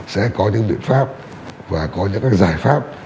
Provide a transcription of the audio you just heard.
sẽ có những biện pháp và có những giải pháp